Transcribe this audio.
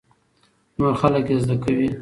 نور خلک يې زده کوي.